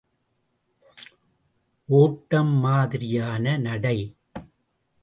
ஒட்டம் மாதிரியான நடை.